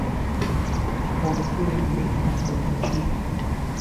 Obukulembe bwe buki?